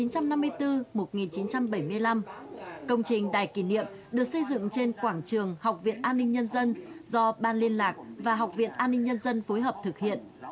công trình đài kỷ niệm được xây dựng trên quảng trường học viện an ninh nhân dân do ban liên lạc và học viện an ninh nhân dân phối hợp thực hiện